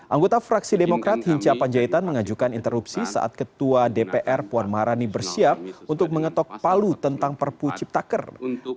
anggota fraksi demokrat hinca panjaitan mengajukan interupsi saat ketua dpr puan maharani bersiap untuk mengetok palu tentang perpu cipta kerja